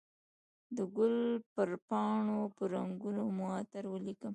د ګل پر پاڼو به رنګونه معطر ولیکم